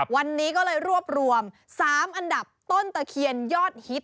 วันนี้ก็เลยรวบรวม๓อันดับต้นตะเคียนยอดฮิต